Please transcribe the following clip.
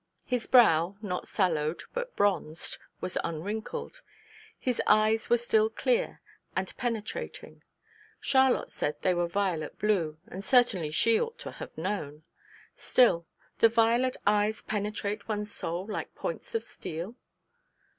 His brow, not sallow but bronzed, was unwrinkled; his eyes were still clear and penetrating (Charlotte said they were violet blue; and certainly she ought to have known. Still, _do violet eyes penetrate one's soul like points of steel?